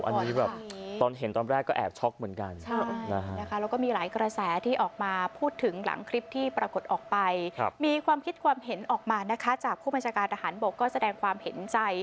อันนี้แบบตอนเห็นตอนแรกก็แอบช็อกเหมือนกัน